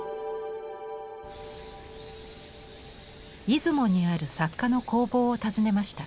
出雲にある作家の工房を訪ねました。